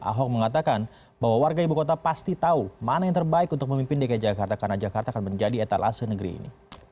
ahok mengatakan bahwa warga ibu kota pasti tahu mana yang terbaik untuk memimpin dki jakarta karena jakarta akan menjadi etalase negeri ini